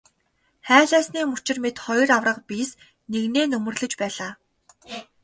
Хайлаасны мөчир мэт хоёр аварга биес нэгнээ нөмөрлөж байлаа.